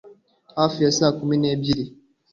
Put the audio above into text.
hafi ya saa kumi n'ebyiri